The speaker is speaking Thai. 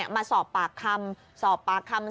มาสอบปากคำ